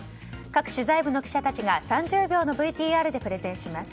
各取材部の記者たちが３０秒のＶＴＲでプレゼンします。